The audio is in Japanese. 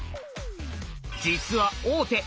実は王手！